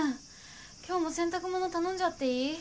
今日も洗濯物頼んじゃっていい？